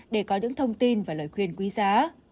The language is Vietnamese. để có những thông tin và lời khuyên quý giá